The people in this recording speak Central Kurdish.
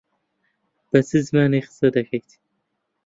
بە چ زمانێک قسە دەکەیت؟